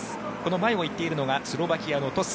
前を行っているのがスロバキアのトス。